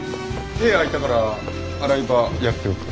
手空いたから洗い場やっておく。